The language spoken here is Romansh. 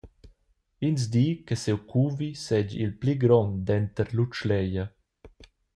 Ins di che siu cuvi seigi il pli grond denter l’utschleglia.